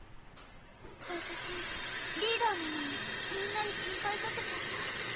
私リーダーなのにみんなに心配かけちゃった。